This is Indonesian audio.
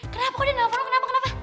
kenapa kok dia nelfon lo kenapa kenapa